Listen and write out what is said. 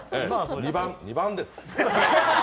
２番です。